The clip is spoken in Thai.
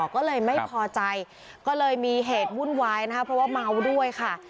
ก็เลยไม่พอใจก็เลยมีเหตุวุ่นวายนะคะเพราะว่าเมาด้วยค่ะ